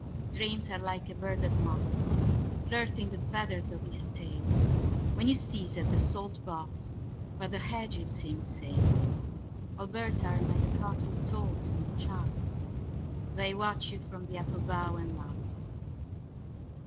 Dreams are like a bird that mocks, Flirting the feathers of his tail. When you seize at the salt box, Over the hedge you'll see him sail. Old birds are neither caught with salt nor chaff:They watch you from the apple bough and laugh.